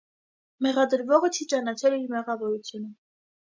Մեղադրվողը չի ճանաչել իր մեղավորությունը։